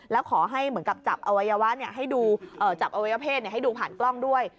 แล้วขอให้เหมือนกับจับอวัยพ่นให้ดูผ่านกล้องด้วย